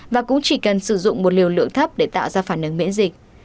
và cũng chỉ cần sử dụng một liều lượng thấp để tạo ra phản ứng miễn dịch